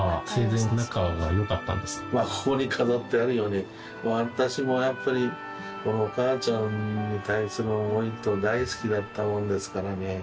これまあここに飾ってあるように私もやっぱりお母ちゃんに対する思いと大好きだったもんですからね